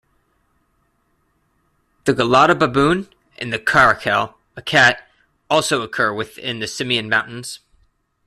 The gelada baboon and the caracal, a cat, also occur within the Simien Mountains.